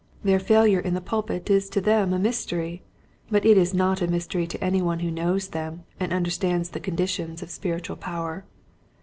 Their failure in the pulpit is to them a mystery, but it is not a mystery to any one who knows them and understands the conditions of spiritual power.